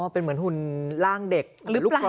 เป็นเหมือนหุ่นร่างเด็กหรือลูกครอง